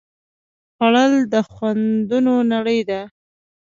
خوړل د خوندونو نړۍ ده